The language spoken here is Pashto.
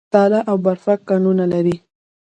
تاله او برفک کانونه لري؟